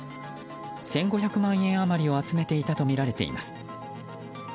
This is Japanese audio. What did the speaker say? １５００万円余りを集めていたとみられています。